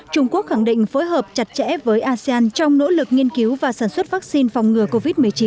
trung quốc khẳng định phối hợp chặt chẽ với asean trong nỗ lực nghiên cứu và sản xuất vaccine phòng ngừa covid một mươi chín